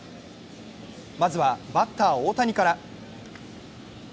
まずはバッター・大谷から。